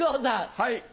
はい。